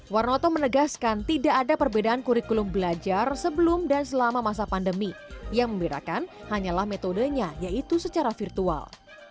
warnoto menegaskan tidak ada perbedaan kurikulum belajar sebelum dan selama masa pandemi yang membedakan hanyalah metodenya yaitu secara virtual